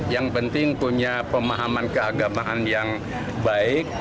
yang penting punya pemahaman keagamaan yang baik